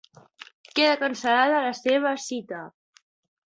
Queda cancel·lada la seva cita.